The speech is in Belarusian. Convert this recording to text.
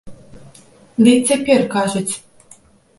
Ды і цяпер кажуць!